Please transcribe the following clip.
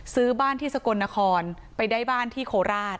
ซื้อบ้านที่สกลนครไปได้บ้านที่โคราช